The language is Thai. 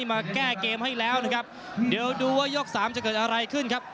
มาแก้เกมให้แล้วนะครับเดี๋ยวดูว่ายกสามจะเกิดอะไรขึ้นครับ